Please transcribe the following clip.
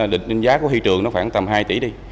định ninh giá của thị trường nó khoảng tầm hai tỷ đi